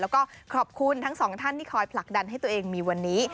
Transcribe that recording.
แล้วก็ขอบคุณทั้งสองท่านที่คอยผลักดันให้ตัวเองมีวันนี้